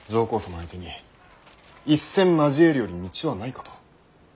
相手に一戦交えるより道はないかと。